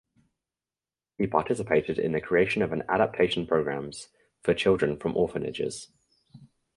He participated in the creation of an adaptation programs for children from orphanages.